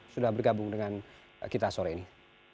sudah bergabung dengan kita sore ini